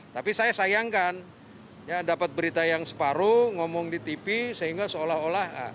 tapi saya sayangkan ya dapat berita yang separuh ngomong di tv sehingga seolah olah